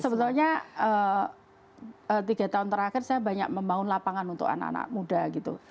sebetulnya tiga tahun terakhir saya banyak membangun lapangan untuk anak anak muda gitu